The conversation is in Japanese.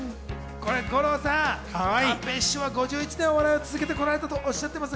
五郎さん、寛平師匠は５１年、お笑いを続けてこられたと言っています。